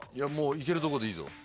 いけるとこでいいぞ。